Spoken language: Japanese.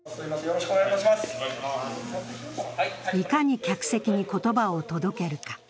いかに客席に言葉を届けるか。